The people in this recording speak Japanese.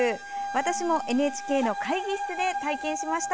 私もＮＨＫの会議室で体験しました。